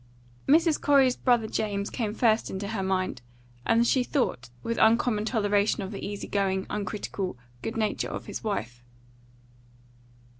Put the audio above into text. Mrs. Corey's brother James came first into her mind, and she thought with uncommon toleration of the easy going, uncritical, good nature of his wife.